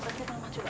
bantuin mama juga